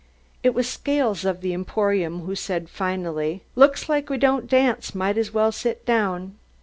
It was Scales of the Emporium who said, finally: "Looks like we don't dance might as well sit down."